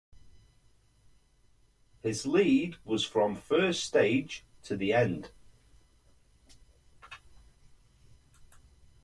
His lead was from first stage to the end.